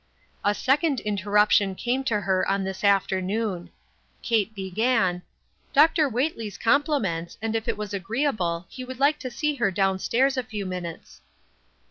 A second interruption came to her on this after 2,2 THE UNEXPECTED. noon. Kate began, —" Dr. Whately's compli ments, and if it was agreeable, he would like to see her down stairs a few minutes."